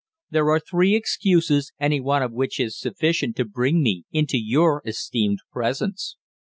There are three excuses, any one of which is: sufficient to bring me into your esteemed presence!"